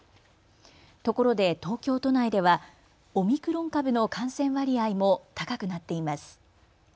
ところで東京都内ではオミクロン株の感染割合も高くなっています。